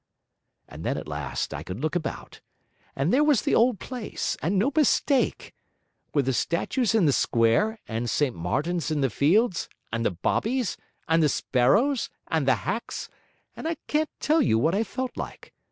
And then at last I could look about, and there was the old place, and no mistake! With the statues in the square, and St Martin's in the Fields, and the bobbies, and the sparrows, and the hacks; and I can't tell you what I felt like.